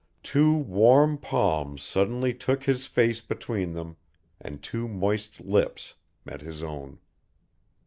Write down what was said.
Two warm palms suddenly took his face between them and two moist lips met his own.